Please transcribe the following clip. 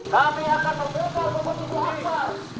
kami akan membuka pembentuknya